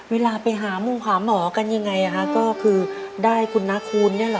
เวลาไปหามุ่งหาหมอกันยังไงก็คือได้คุณน้าคูณนี่แหละ